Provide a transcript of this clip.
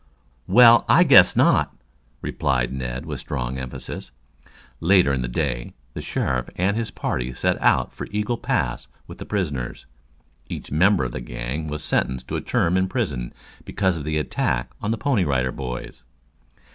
"Well, I guess not," replied Ned, with strong emphasis. Later in the day, the sheriff and his party set out for Eagle Pass with the prisoners. Each member of the gang was sentenced to a term in prison because of the attack on the Pony Rider Boys.